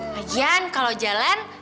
lagi kan kalau jalan